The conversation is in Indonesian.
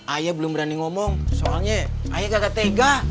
ayah belum berani ngomong soalnya ayah kakak tega